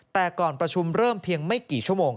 แต่ก่อนประชุมเริ่มเพียงไม่กี่ชั่วโมง